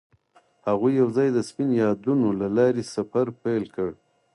هغوی یوځای د سپین یادونه له لارې سفر پیل کړ.